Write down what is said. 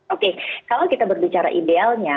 oke kalau kita berbicara idealnya